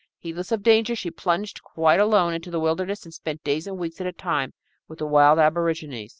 Heedless of danger, she plunged quite alone into the wilderness and spent days and weeks at a time with the wild aborigines.